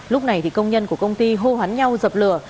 lúc này thì công nhân của công ty hô hắn nhau dập lửa